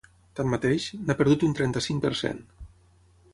Tanmateix, n’ha perdut un trenta-cinc per cent.